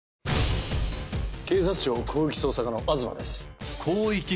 警察庁広域捜査課の東です。